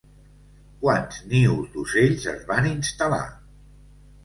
Quants nius d'ocells es van instal·lar?